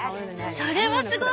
それはすごい！